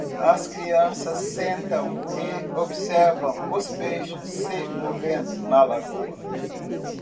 As crianças sentam e observam os peixes se movendo na lagoa